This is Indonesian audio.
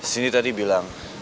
cindy tadi bilang